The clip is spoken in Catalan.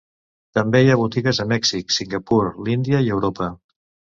També hi ha botigues a Mèxic, Singapur, l'Índia i Europa.